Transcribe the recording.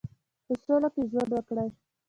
په سوله کې ژوند وکړي.